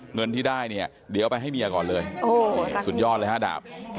เงินที่ได้เดี๋ยวเอาไปให้เมียก่อนเลยสุดยอดเลย๕ดาบ